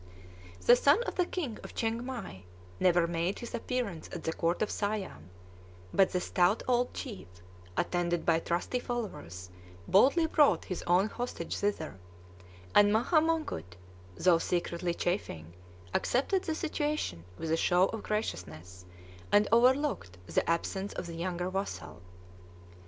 The son of the King of Chiengmai never made his appearance at the court of Siam; but the stout old chief, attended by trusty followers, boldly brought his own "hostage" thither; and Maha Mongkut, though secretly chafing, accepted the situation with a show of graciousness, and overlooked the absence of the younger vassal.